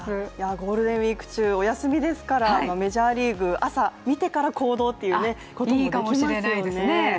ゴールデンウイーク中、お休みですからメジャーリーグ、朝見てから行動ってこともできますよね。